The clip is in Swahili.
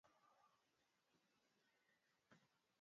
kwa kiwango cha ulimwengu kwa taka kama mabaki ya mboga kutoka